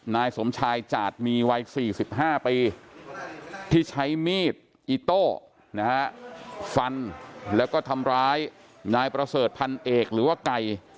นายสมชายจาดมีวัย๔๕ปีที่ใช้มีดอิโต้นะฮะฟันแล้วก็ทำร้ายนายประเสริฐพันเอกหรือว่าไก่